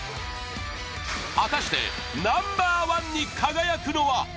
果たしてナンバー１に輝くのは？